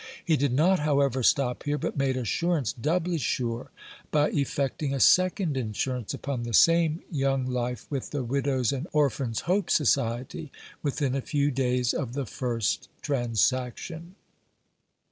He did not, however, stop here, but made assurance doubly sure by effecting a second insurance upon the same young life with the Widow's and Orphan's Hope Society, within a few days of the first transaction.